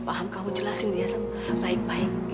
paham kamu jelasin dia sama baik baik